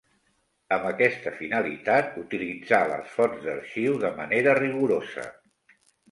Amb aquesta finalitat utilitzà les fonts d'arxiu de manera rigorosa.